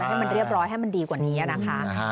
ให้มันเรียบร้อยให้มันดีกว่านี้นะคะ